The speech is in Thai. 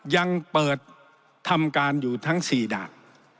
ยังเปิดทำการอยู่ทั้ง๔ด่าน